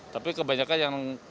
tapi kebanyakan yang